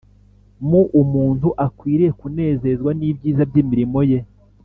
Muumuntu akwiriye kunezezwa nibyiza byimirimo ye